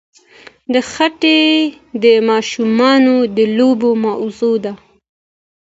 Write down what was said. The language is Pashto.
دښتې د ماشومانو د لوبو موضوع ده.